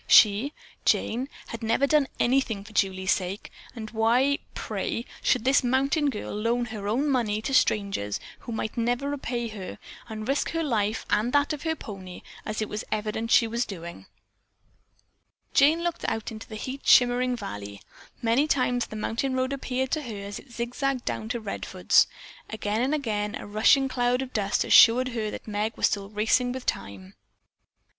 She, Jane, had never done anything for Julie's sake, and why, pray, should this mountain girl loan her own money to strangers who might never repay her, and risk her life and that of her pony, as it was evident she was doing? Jane looked out into the heat shimmering valley. Many times the mountain road reappeared to her as it zigzagged down to Redfords. Again and again a rushing cloud of dust assured her that Meg was still racing with time.